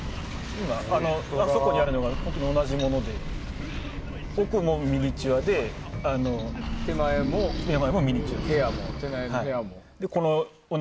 あそこにあるのが本当に同じもので奥もミニチュアで手前の部屋もミニチュアです。